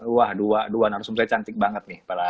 wah dua dua narasumsa cantik banget nih